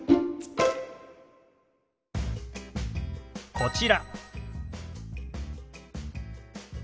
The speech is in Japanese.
こちら。